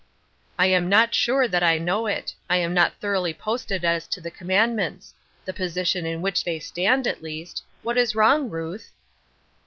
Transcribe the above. " I am not sure that I know it. I am not thoroughly posted as to the commandments — the position in which they stand at least. What is wrong, Ruth